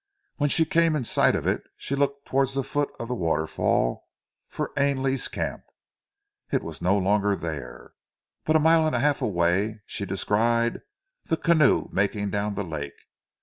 When she came in sight of it she looked towards the foot of the waterfall for Ainley's camp. It was no longer there, but a mile and a half away she descried the canoe making down the lake.